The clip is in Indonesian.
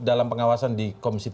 dalam pengawasan di komisi tiga